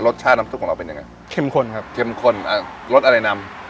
รสชาติน้ำซุปของเราเป็นยังไงเข้มข้นครับเข้มข้นอ่ารสอะไรนำ